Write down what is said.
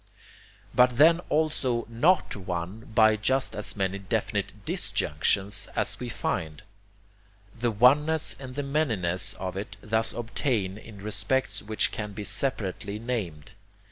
But then also NOT one by just as many definite DISjunctions as we find. The oneness and the manyness of it thus obtain in respects which can be separately named.